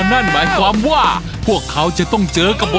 นั่นหมายความว่าพวกเขาจะต้องเจอกับผม